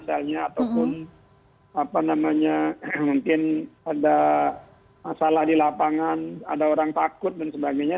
ataupun apa namanya mungkin ada masalah di lapangan ada orang takut dan sebagainya